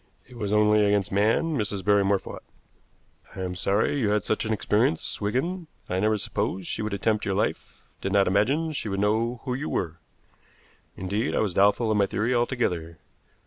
"It was only against man Mrs. Barrymore fought. I am sorry you had such an experience, Wigan. I never supposed she would attempt your life, did not imagine she would know who you were. Indeed, I was doubtful of my theory altogether.